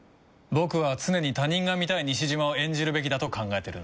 僕は常に他人が見たい西島を演じるべきだと考えてるんだ。